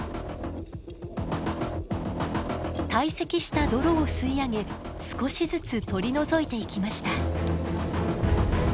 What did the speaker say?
堆積した泥を吸い上げ少しずつ取り除いていきました。